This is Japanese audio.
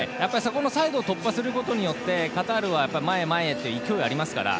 サイドを突破することでカタールは前へ前へと、勢いがありますから。